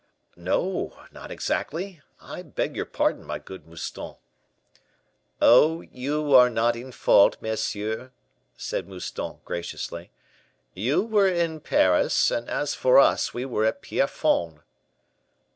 "No, not exactly. I beg your pardon, my good Mouston." "Oh! you are not in fault, monsieur," said Mouston, graciously. "You were in Paris, and as for us, we were at Pierrefonds."